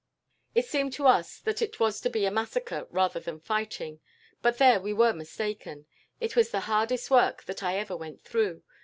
"It seemed to us that it was to be a massacre rather than fighting, but there we were mistaken. It was the hardest work that I ever went through.